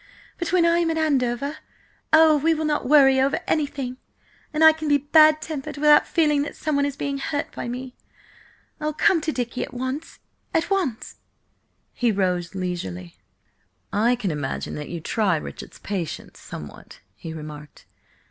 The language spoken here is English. But when I am at Andover—oh, we will not worry over anything, and I can be bad tempered without feeling that someone is being hurt by me! Oh, come to Dicky at once–at once!" He rose leisurely. "I can imagine that you try Richard's patience somewhat," he remarked.